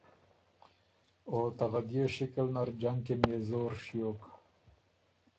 او ته غدئے شکل نر جنګ کی نيې زور ڒیوک۔